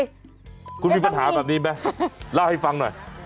ไม่ต้องมีคุณมีปัญหาแบบนี้ไหมเล่าให้ฟังหน่อย